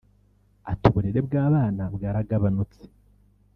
Ati “Uburere bw’abana bwaragabanutse